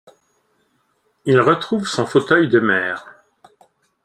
Il retrouve son fauteuil de maire.